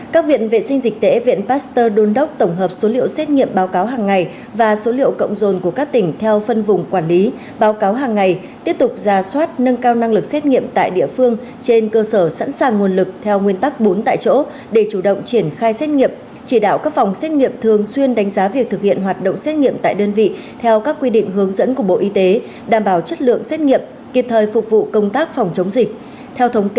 các viện vệ sinh dịch tễ viện pasteur đôn đốc tổng hợp số liệu xét nghiệm báo cáo hàng ngày và số liệu cộng dồn của các tỉnh theo phân vùng quản lý báo cáo hàng ngày tiếp tục ra soát nâng cao năng lực xét nghiệm tại địa phương trên cơ sở sẵn sàng nguồn lực theo nguyên tắc bốn tại chỗ để chủ động triển khai xét nghiệm chỉ đạo các phòng xét nghiệm thường xuyên đánh giá việc thực hiện hoạt động xét nghiệm tại đơn vị theo các quy định hướng dẫn của bộ y tế đảm bảo chất lượng xét nghiệm kịp thời phục vụ công tác phòng chống